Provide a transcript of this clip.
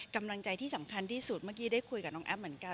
กำลังใจที่สำคัญที่สุดเมื่อกี้ได้คุยกับน้องแอฟเหมือนกัน